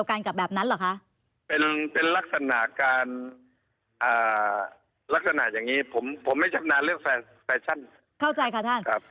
เข้าใจค่ะท่าน